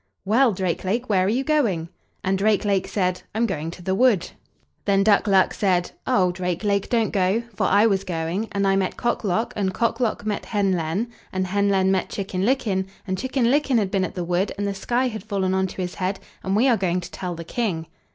"Well, Drake lake, where are you going?" And Drake lake said: "I'm going to the wood." Then Duck luck said: "Oh! Drake lake, don't go, for I was going, and I met Cock lock, and Cock lock met Hen len, and Hen len met Chicken licken, and Chicken licken had been at the wood, and the sky had fallen on to his head, and we are going to tell the King."